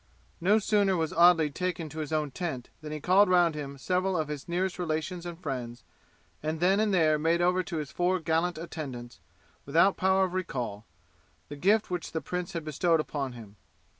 No sooner was Audley taken to his own tent than he called round him several of his nearest relations and friends, and then and there made over to his four gallant attendants, without power of recall, the gift which the prince had bestowed upon him.